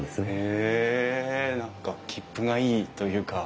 へえ何かきっぷがいいというか。